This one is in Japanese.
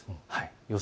予想